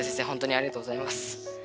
ほんとにありがとうございます。